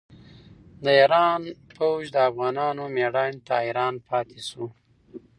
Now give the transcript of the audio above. د ایران پوځ د افغانانو مېړانې ته حیران پاتې شو.